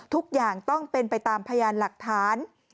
ทุกอย่างต้องเป็นไปตามพยานหลักฐาน